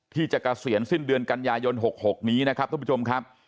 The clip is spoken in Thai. เกษียณสิ้นเดือนกันยายน๖๖นี้นะครับท่านผู้ชมครับ